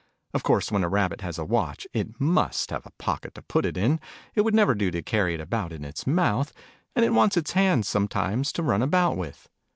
Of course, when a Rabbit has a watch, it must have a pocket to put it in : it would never do to carry it about in its mouth and it wants its hands sometimes, to run about with.